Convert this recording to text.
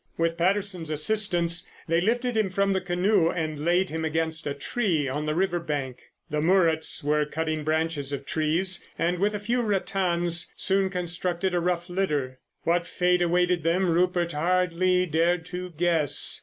With Patterson's assistance they lifted him from the canoe and laid him against a tree on the river bank. The Muruts were cutting branches of trees and with a few rattans soon constructed a rough litter. What fate awaited them Rupert hardly dared to guess.